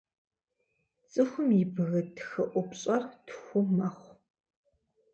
Цӏыхум и бгы тхыӏупщӏэр тху мэхъу.